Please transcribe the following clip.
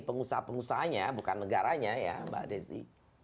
pengusaha pengusahanya bukan negaranya ya mbak desi